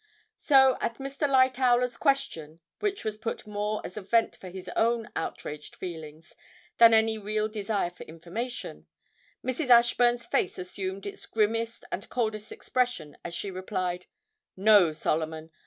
So at Mr. Lightowler's question, which was put more as a vent for his own outraged feelings than any real desire for information, Mrs. Ashburn's face assumed its grimmest and coldest expression as she replied 'No, Solomon.